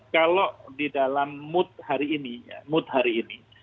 kalau di dalam mood hari ini ya mood hari ini